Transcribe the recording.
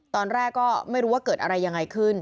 ตอนแรกก็ไม่รู้ว่าเกิดอะไรยังไงขึ้น